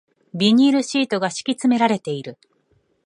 ビニールシートが敷き詰められている